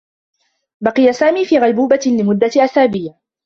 بقي سامي في غيبوبة لمدّة أسابيع.